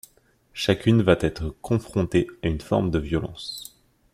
Chacune va être confronté à une forme de violence.